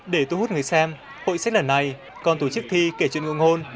để thu hút người xem hội sách lần này còn tổ chức thi kể chuyện ngôn ngôn